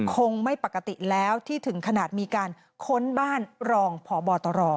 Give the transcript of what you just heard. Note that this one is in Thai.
คงไม่ปกติแล้วที่ถึงขนาดมีการค้นบ้านรองพบตร